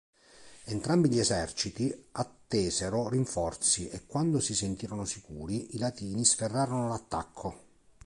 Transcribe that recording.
Entrambi gli eserciti attesero rinforzi e quando si sentirono sicuri, i Latini sferrarono l'attacco.